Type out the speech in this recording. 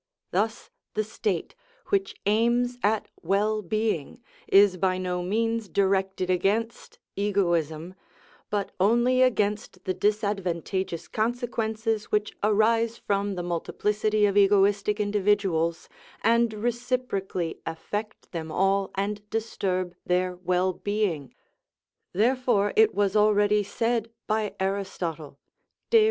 Thus the state, which aims at well being, is by no means directed against egoism, but only against the disadvantageous consequences which arise from the multiplicity of egoistic individuals, and reciprocally affect them all and disturb their well being. Therefore it was already said by Aristotle (De.